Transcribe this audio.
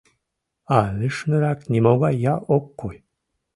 А лишнырак нимогай ял ок кой.